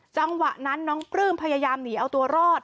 จังหวะนั้นน้องปลื้มพยายามหนีเอาตัวรอด